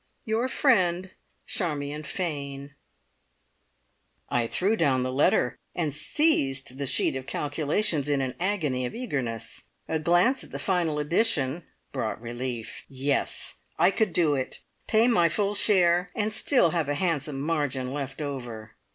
"Your friend, Charmion Fane." I threw down the letter and seized the sheet of calculations in an agony of eagerness. A glance at the final addition brought relief. Yes! I could do it pay my full share, and still have a handsome margin left over.